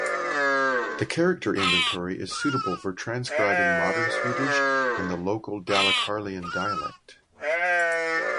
The character inventory is suitable for transcribing modern Swedish and the local Dalecarlian dialect.